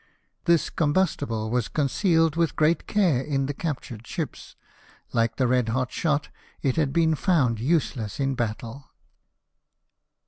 This combustible was concealed with great care in the captured ships ; Hke the red hot shot, it had been found useless in battle.